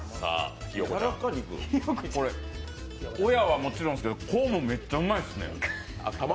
親はもちろんですけど、子もめっちゃうまいっすね。